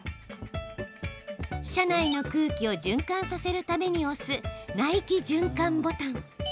車内の空気を循環させるために押す、内気循環ボタン。